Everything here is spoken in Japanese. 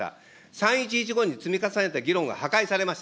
３・１１後に積み重ねた議論が破壊されました。